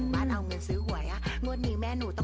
เต้นโชว์หน่อยได้มั้ยครับ